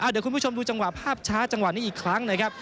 เดี๋ยวคุณผู้ชมดูจังหวะภาพช้าจังหวะนี้อีกครั้งนะครับ